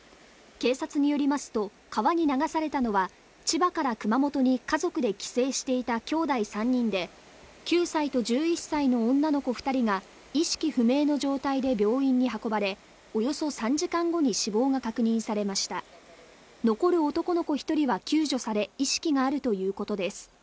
警察によりますと川に流されたのは千葉から熊本に家族で帰省していたきょうだい３人で９歳と１１歳の女の子二人が意識不明の状態で病院に運ばれおよそ３時間後に死亡が確認されました残る男の子一人は救助され意識があるということです